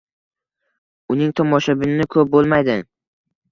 Uning tomoshabini ko‘p bo‘lmaydi.